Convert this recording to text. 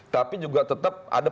tapi juga tetap ada